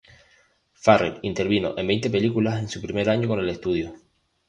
Farrell intervino en veinte películas en su primer año con el estudio.